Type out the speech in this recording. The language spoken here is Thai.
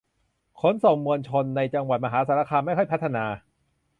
ขนส่งมวลชนในจังหวัดมหาสารคามไม่ค่อยพัฒนา